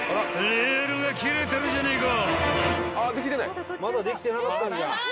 レールが切れてるじゃねえか！］